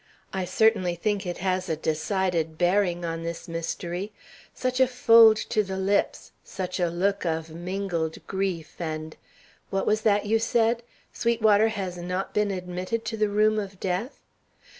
I certainly think it has a decided bearing on this mystery; such a fold to the lips, such a look of mingled grief and what was that you said? Sweetwater has not been admitted to the room of death?